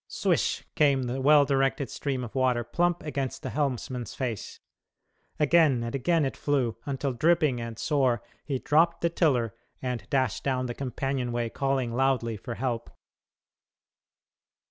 Swish! came the well directed stream of water plump against the helmsman's face. Again and again it flew, until dripping and sore he dropped the tiller and dashed down the companion way calling loudly for help.